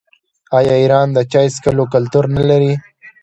آیا ایران د چای څښلو کلتور نلري؟